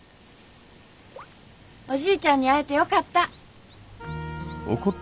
おじいちゃんに会えてよかった。